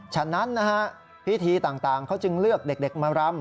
ฉะนั้นนะฮะพิธีต่างเขาจึงเลือกเด็กมารำ